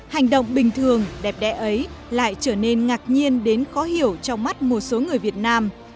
hành động bình thường đẹp đẽ ấy lại trở nên ngạc nhiên đến khó hiểu trong mắt một số người việt nam